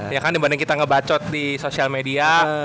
ya kan dibanding kita ngebacot di sosial media